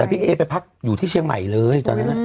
แต่พี่เอไปพักอยู่ที่เชียงใหม่เลย